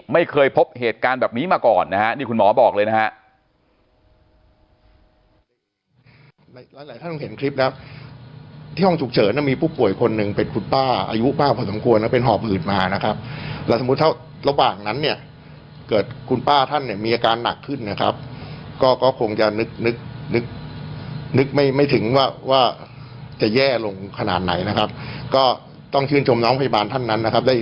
ไม่เคยพบเหตุการณ์แบบนี้มาก่อนนะฮะนี่คุณหมอบอกเลยนะฮะ